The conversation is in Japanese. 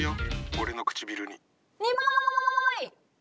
俺の唇に。